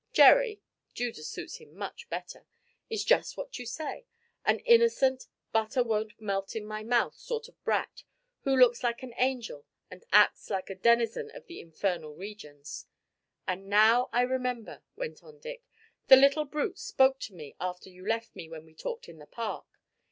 Jerry Judas suits him much better is just what you say: an innocent, butter won't melt in my mouth sort of brat who looks like an angel and acts like a denizen of the infernal regions. And now I remember," went on Dick, "the little brute spoke to me after you left me when we talked in the Park.